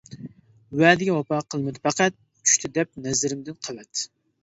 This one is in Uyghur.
ۋەدىگە ۋاپا قىلمىدى پەقەت، چۈشتى دەپ نەزىرىمدىن قەۋەت.